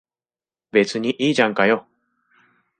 別にいいじゃんかよ。